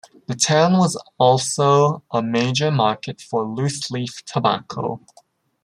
The town was also a major market for loose-leaf tobacco.